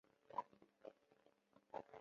此计划是满洲问题专家列维托夫提出的。